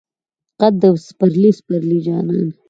قد د سپرلی، سپرلی جانان